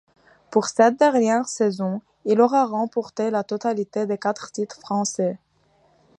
Pour cette dernière saison, il aura remporté la totalité des quatre titres français.